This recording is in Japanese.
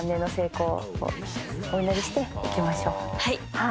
はい。